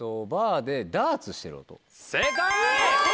正解！